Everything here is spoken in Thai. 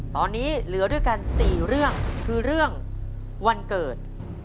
ตอนนี้เหลือด้วยกัน๔เรื่องคือเรื่องวันเกิด